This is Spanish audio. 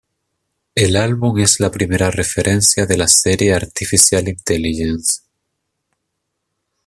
El álbum es la primera referencia de la serie Artificial Intelligence.